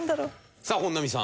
さあ本並さん。